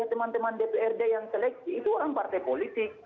teman teman dprd yang seleksi itu orang partai politik